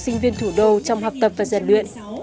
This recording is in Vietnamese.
sinh viên thủ đô trong học tập và giàn luyện